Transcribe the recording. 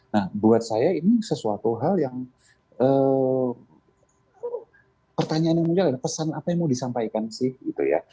nah buat saya ini sesuatu hal yang pertanyaan yang muncul adalah pesan apa yang mau disampaikan sih gitu ya